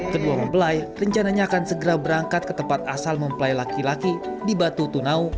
kedua mempelai rencananya akan segera berangkat ke tempat asal mempelai laki laki di batu tunau